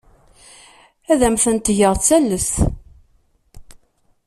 Ad am-tent-geɣ d tallest.